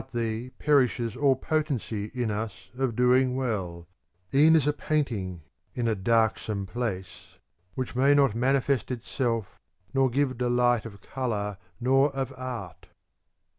THE COMPLEMENT OF ODES 389 perishes all potency in us of doing well ;^ e'en as a painting in a darksome place, which may not mani fest itself nor give delight of colour nor of art.